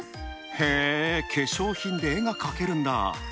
へー、化粧品で絵が描けるんだ。